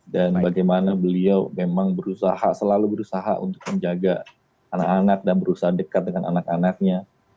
dan bagaimana beliau memang berusaha selalu berusaha untuk menjaga anak anak dan berusaha dekat dengan anak anaknya